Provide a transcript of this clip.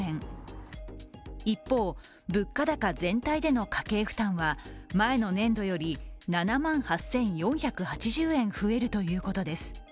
一方、物価高全体での家計負担は前の年度より７万８４８０円増えるということです。